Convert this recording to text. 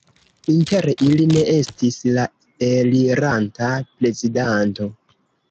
Inter ili ne estis la eliranta prezidanto.